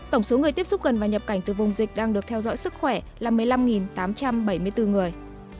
tổng số người tiếp xúc gần và nhập cảnh từ vùng dịch đang được theo dõi sức khỏe là một mươi năm tám trăm bảy mươi bốn người